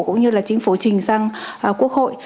cũng như là chính phủ trình sang quốc hội